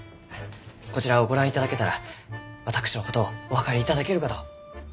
こちらをご覧いただけたら私のことをお分かりいただけるかと。